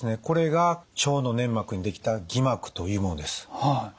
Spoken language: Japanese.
これが腸の粘膜に出来た偽膜というものです。